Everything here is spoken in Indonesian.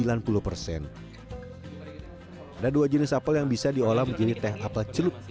ada dua jenis apel yang bisa diolah menjadi teh apel celup